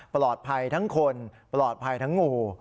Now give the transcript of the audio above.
ปลอดภัยทั้งคนปลอดภัยทั้งงู